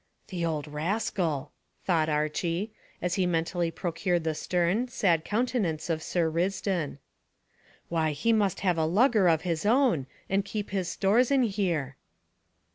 "The old rascal!" thought Archy, as he mentally pictured the stern, sad countenance of Sir Risdon. "Why, he must have a lugger of his own, and keep his stores in here."